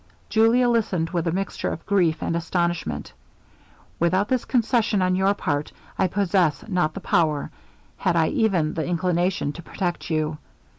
Julia listened with a mixture of grief and astonishment. 'Without this concession on your part, I possess not the power, had I even the inclination, to protect you.